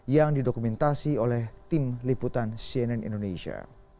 yang didokumentasi oleh tim liputan cnn indonesia